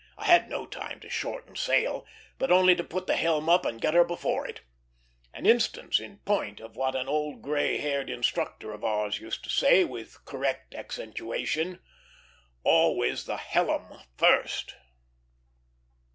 I had no time to shorten sail, but only to put the helm up and get her before it;" an instance in point of what an old gray haired instructor of ours used to say, with correct accentuation, "Always the hellum first."